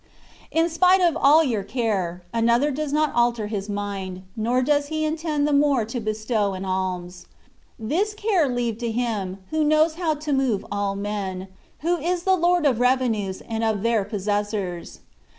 In spite of all your care, another does not alter his mind, nor does he intend the more to bestow an ahns. This care leave to Him, who knows how to move all men ; who is the Lord of revenues and of their pos sessors.